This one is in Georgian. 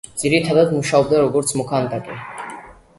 ძირითადად მუშაობდა როგორც მოქანდაკე.